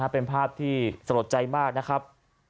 เป็นภาพที่สลดใจมากนะครับ